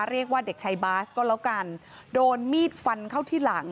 เรียกว่าเด็กชายบาสก็แล้วกันโดนมีดฟันเข้าที่หลัง